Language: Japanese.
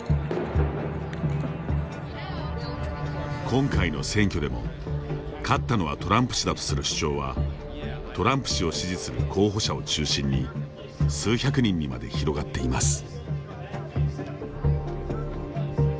今回の選挙でも、勝ったのはトランプ氏だとする主張はトランプ氏を支持する候補者を中心に数百人にまで広がっています。